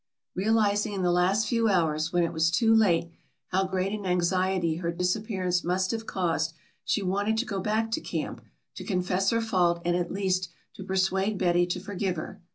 Realizing in the last few hours, when it was too late, how great an anxiety her disappearance must have caused, she wanted to go back to camp, to confess her fault and at least to persuade Betty to forgive her.